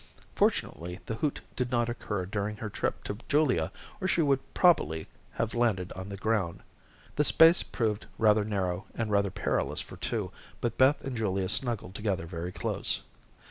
Fortunately, the hoot did not occur during her trip to Julia, or she would probably have landed on the ground. The space proved rather narrow, and rather perilous for two, but Beth and Julia snuggled together very close.